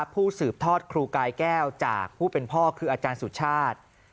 ผู้สืบทอดครูกายแก้วจากผู้เป็นพ่อคืออาจารย์สุชาติ